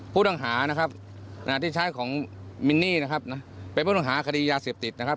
ผู้ต้องหานะครับที่ใช้ของมินนี่นะครับนะเป็นผู้ต้องหาคดียาเสพติดนะครับ